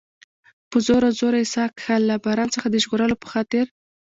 په زوره زوره یې ساه کښل، له باران څخه د ژغورلو په خاطر.